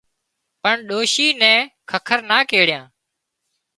پڻ ڏوشِي نين ککر نا ڪيڙتان